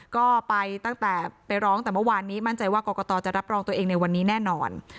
ก็ไปตั้งแต่ไปร้องแต่เมื่อวานนี้มั่นใจว่ากรกตจะรับรองตัวเองในวันนี้แน่นอน